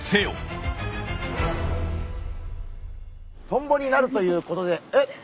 トンボになるということでえっ？